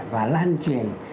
và lan truyền